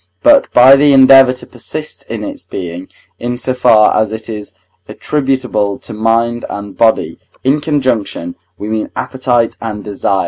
But by the endeavour to persist in its being, in so far as it is attributable to mind and body in conjunction, we mean appetite and desire (III.